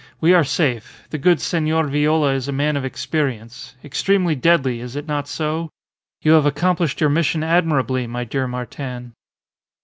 "We are safe. The good Senor Viola is a man of experience. Extremely deadly is it not so? You have accomplished your mission admirably, my dear Martin."